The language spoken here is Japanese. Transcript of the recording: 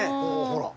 ほら。